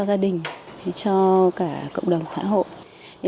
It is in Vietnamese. cho gia đình cho cả cộng đồng xã hội